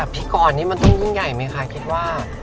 พิธีกรนี้มันต้องยิ่งใหญ่ไหมคะคิดว่า